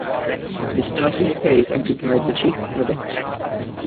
Miss Darcy's praise occupied the chief of it.